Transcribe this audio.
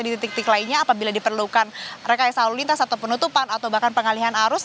di titik titik lainnya apabila diperlukan rekayasa lalu lintas atau penutupan atau bahkan pengalihan arus